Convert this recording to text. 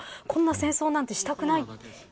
こんな戦争なんてしたくない。